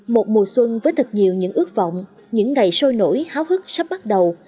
một mùa xuân với thật nhiều những ước vọng những ngày sôi nổi háo hức sắp bắt đầu